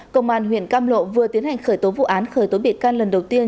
công an huyện cam lộ vừa tiến hành khởi tố vụ án khởi tố bị can lần đầu tiên